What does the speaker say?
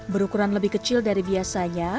berukuran lebih kecil dari biasanya